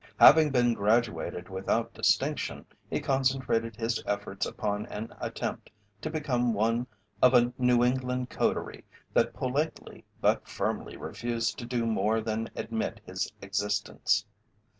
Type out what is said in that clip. Having been graduated without distinction, he concentrated his efforts upon an attempt to become one of a New England coterie that politely but firmly refused to do more than admit his existence.